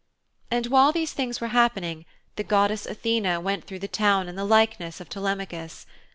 And while these things were happening the goddess Athene went through the town in the likeness of Telemachus.